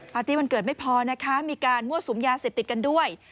ตี้วันเกิดไม่พอนะคะมีการมั่วสุมยาเสพติดกันด้วย